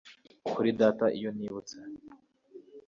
Kuri data iyo nibutse